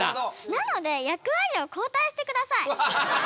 なので役割を交代して下さい。